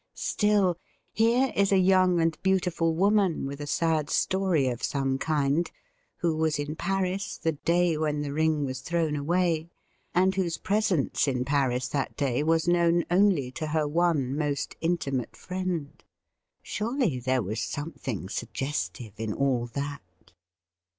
Still, here is a young and beautiful woman with a sad story of some kind, who was in Paris the day when the ring was thrown away, and whose presence in Paris that day was known only to her one most intimate friend — surely there was something suggestive in all that